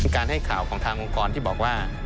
ให้ข่าวของทางองค์กรที่บอกว่า